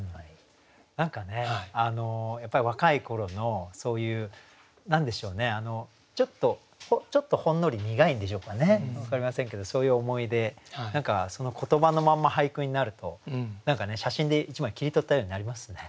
何かやっぱり若い頃のそういう何でしょうねちょっとほんのり苦いんでしょうかね分かりませんけどそういう思い出何かその言葉のまんま俳句になると写真で１枚切り取ったようになりますね。